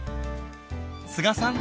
須賀さん